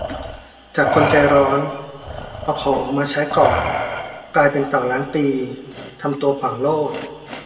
จากคนใจร้อน เอาของออกมาใช้ก่อน กลายเป็นเต่าล้านปี ทำตัวขวางโลก